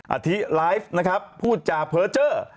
อาทิไลฟ์นะครับพูดจากเผลอเจ้อ